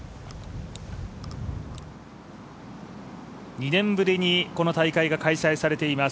２年ぶりにこの大会が開催されています。